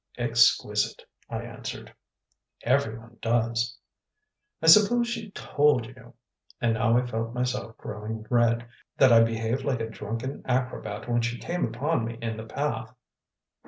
"Exquisite," I answered. "Every one does." "I suppose she told you " and now I felt myself growing red "that I behaved like a drunken acrobat when she came upon me in the path."